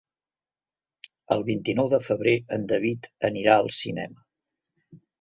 El vint-i-nou de febrer en David anirà al cinema.